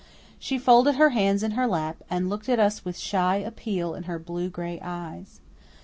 She folded her hands in her lap, and looked at us with shy appeal in her blue gray eyes.